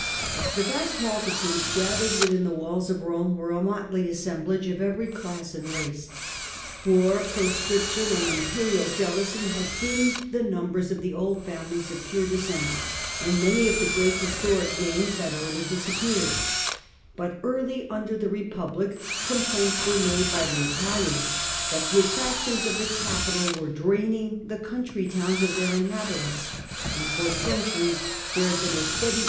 The vast multitudes gathered within the walls of Rome were a motley assemblage of every class and race. The 'tizens proscription, and imperial jealousy had of Rome a thinned the numbers of the old families of mixed race. p^j.^ descent, and many of the great historic names had already disappeared ; but early under the Re public complaints were made by the Italians that the attractions of the capital were draining the country towns of their inhabitants, and for centuries there had been a steady 'fhe Rights of Roinan Citizenship.